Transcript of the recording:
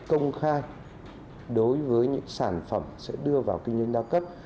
công khai đối với những sản phẩm sẽ đưa vào kinh doanh đa cấp